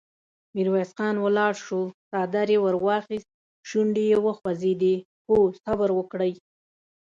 ميرويس خان ولاړ شو، څادر يې ور واخيست، شونډې يې وخوځېدې: هو! صبر وکړئ!